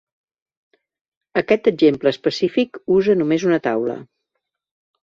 Aquest exemple específic usa només una taula.